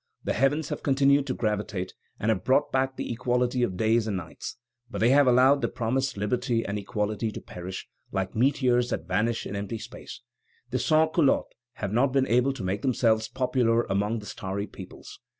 ... The heavens have continued to gravitate, and have brought back the equality of days and nights; but they have allowed the promised liberty and equality to perish, like meteors that vanish in empty space.... The sans culottes have not been able to make themselves popular among the starry peoples....